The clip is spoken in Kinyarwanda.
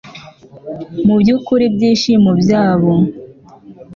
mubyukuri byibyishimo byabo